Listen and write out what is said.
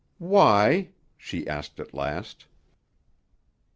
"Why?" she asked at last.